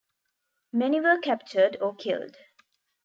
Many were captured or killed.